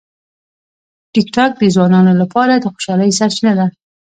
ټیکټاک د ځوانانو لپاره د خوشالۍ سرچینه ده.